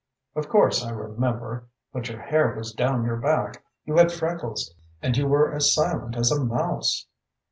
Of course I remember! But your hair was down your back, you had freckles, and you were as silent as a mouse."